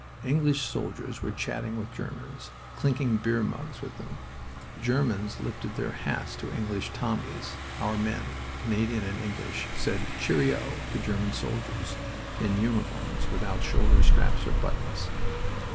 English soldiers were chatting with Germans, clinking beer mugs with them. The Germans lifted their hats to English "Tommies"; our men, Canadian and English, said "Cheerio!" to German soldiers in uniforms without shoulder straps or buttons.